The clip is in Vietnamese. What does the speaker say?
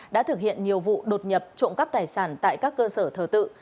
đã thực hiện nhiều vụ đột nhập trộm cắp tài sản tại các cơ sở thờ tự